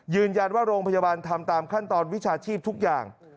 ยืนยันว่าโรงพยาบาลทำตามขั้นตอนวิชาชีพทุกอย่าง